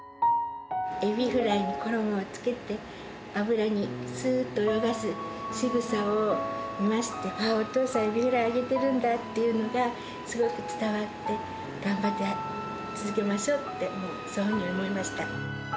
エビフライに衣をつけて、油にすーっと泳がすしぐさを見まして、あっ、お父さん、エビフライ揚げてるんだっていうのがすごく伝わって、頑張って続けましょうって、そういうふうに思いました。